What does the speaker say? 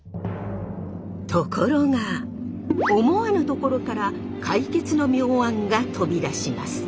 ところが思わぬところから解決の妙案が飛び出します。